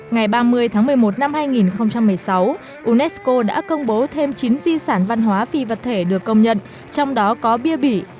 ngày ba mươi tháng một mươi một năm hai nghìn một mươi sáu unesco đã công bố thêm chín di sản văn hóa phi vật thể được công nhận trong đó có bia bỉ